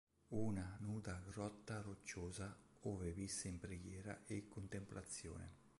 Una nuda grotta rocciosa ove visse in preghiera e contemplazione.